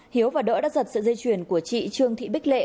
hiếu và đỡ đã giật sợi dây chuyền của chị trương thị bích lệ